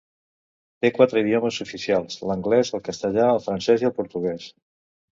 Té quatre idiomes oficials: l'anglès, el castellà, el francès i el portuguès.